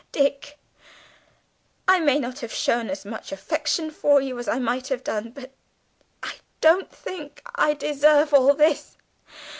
Dick, I may not have shown as much affection for you as I might have done, but I don't think I deserve all this.